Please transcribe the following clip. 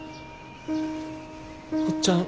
おっちゃん